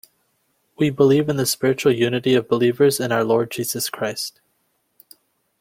We believe in the spiritual unity of believers in our Lord Jesus Christ.